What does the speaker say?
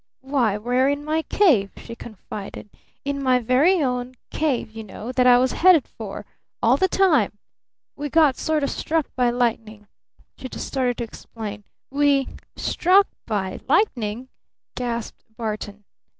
"Why we're in my cave," she confided. "In my very own cave you know that I was headed for all the time. We got sort of struck by lightning," she started to explain. "We " "Struck by lightning?" gasped Barton.